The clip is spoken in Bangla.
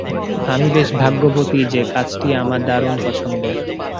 আমি বেশ ভাগ্যবতী যে কাজটা আমার দারুণ পছন্দের!